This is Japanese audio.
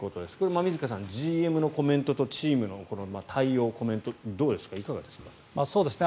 馬見塚さん、ＧＭのコメントとチームの対応、コメントいかがですか。